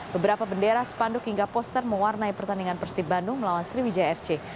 beberapa bendera spanduk hingga poster mewarnai pertandingan persib bandung melawan sriwijaya fc